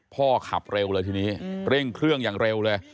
ขับเร็วเลยทีนี้เร่งเครื่องอย่างเร็วเลย